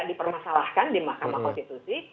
di permasalahkan di mahkamah konstitusi